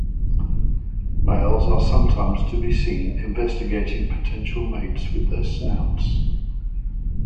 Males are sometimes to be seen investigating potential mates with their snouts.